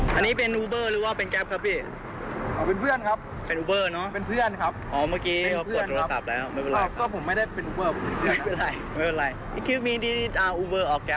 ขนไทยพร้อมที่จะปรับปรุงเม็ดนี้จะหาคนอื่นนะ